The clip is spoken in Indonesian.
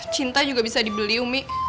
cinta juga bisa dibeli umi